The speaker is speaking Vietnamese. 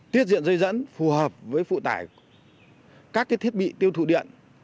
tiết diện dây dẫn phù hợp với phụ tải các thiết bị tiêu thụ điện